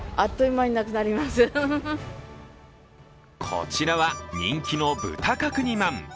こちらは、人気の豚角煮まん。